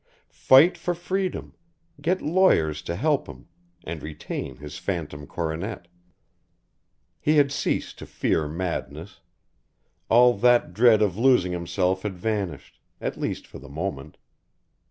Fight for freedom, get lawyers to help him, and retain his phantom coronet. He had ceased to fear madness; all that dread of losing himself had vanished, at least for the moment.